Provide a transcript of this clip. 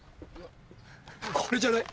これじゃない？